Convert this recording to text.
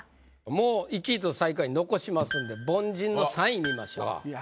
もう１位と最下位残しますんで凡人の３位見ましょう。